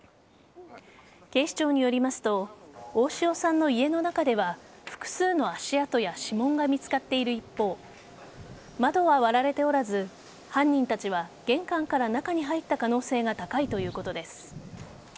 警視庁によりますと大塩さんの家の中では複数の足跡や指紋が見つかっている一方窓は割られておらず犯人たちは玄関から中に入った可能性が高いということです。